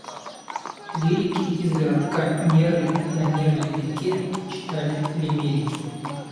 Лирики из городка Нерли на Нерли-реке читали лимерики.